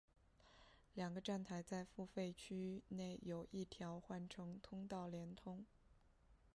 两个站台在付费区内有一条换乘通道连通。